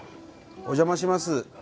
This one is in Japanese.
お邪魔します。